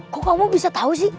kok kamu bisa tahu sih